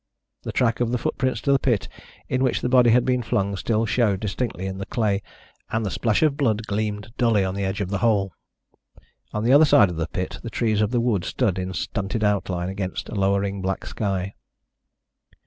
The track of the footprints to the pit in which the body had been flung still showed distinctly in the clay, and the splash of blood gleamed dully on the edge of the hole. On the other side of the pit the trees of the wood stood in stunted outline against a lowering black sky.